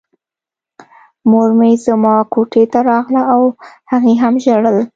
مور مې زما کوټې ته راغله او هغې هم ژړل